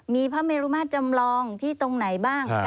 มีพระเมรุมาตรจำลองที่ตรงไหนบ้าง